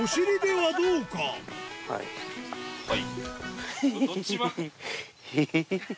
はい。